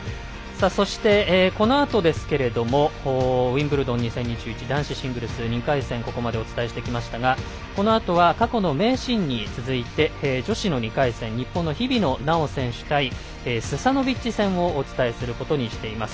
そして、このあとですけどもウィンブルドン２０２１男子シングルス２回戦をここまでお伝えしてきましたがこのあとは過去の名シーンに続いて女子の２回戦、日本の日比野菜緒選手対スサノビッチ戦をお伝えすることにしています。